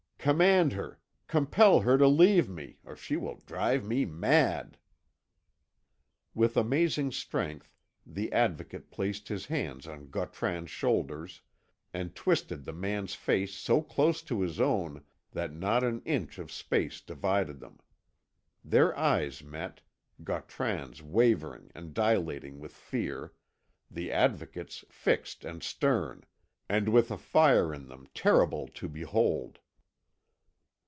Command her, compel her to leave me, or she will drive me mad!" With amazing strength the Advocate placed his hands on Gautran's shoulders, and twisted the man's face so close to his own that not an inch of space divided them. Their eyes met, Gautran's wavering and dilating with fear, the Advocate's fixed and stern, and with a fire in them terrible to behold.